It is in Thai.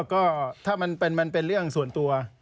ก็ถ้ามันเป็นเรื่องส่วนตัว